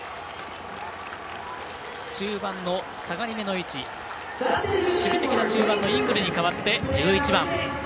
中盤の下がりめの位置守備的な守備位置のイングルに代わって１１番。